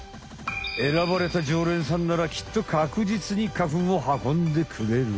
えらばれたじょうれんさんならきっと確実に花粉を運んでくれる。